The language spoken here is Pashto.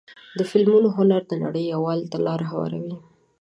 د فلمونو هنر د نړۍ یووالي ته لاره هواروي.